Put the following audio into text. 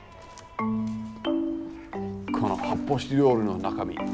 この発泡スチロールの中身何だと思う？